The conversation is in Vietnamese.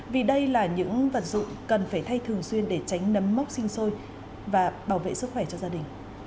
vì đây là những vật dụng cần phải thay thường xuyên để tránh nấm mốc sinh sôi và bảo vệ sức khỏe cho gia đình